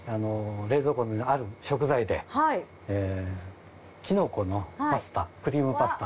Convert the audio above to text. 冷蔵庫にある食材でキノコのパスタクリームパスタ。